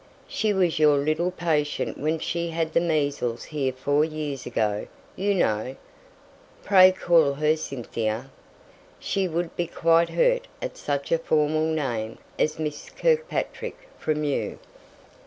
She was your little patient when she had the measles here four years ago, you know. Pray call her Cynthia; she would be quite hurt at such a formal name as Miss Kirkpatrick from you."